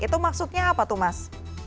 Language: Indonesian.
itu maksudnya apa tuh mas